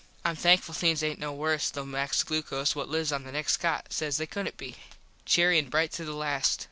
Im thankful things aint no worse though Max Glucos what lives on the next cot says they couldnt be. Cheery an bright to the last.